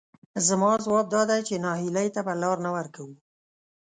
زما ځواب دادی چې نهیلۍ ته به لار نه ورکوو،